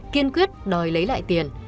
kiên quyết đòi lấy lại tiền